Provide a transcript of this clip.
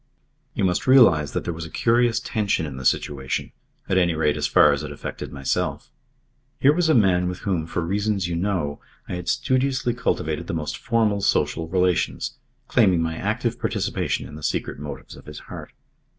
You must realise that there was a curious tension in the situation, at any rate as far as it affected myself. Here was a man with whom, for reasons you know, I had studiously cultivated the most formal social relations, claiming my active participation in the secret motives of his heart.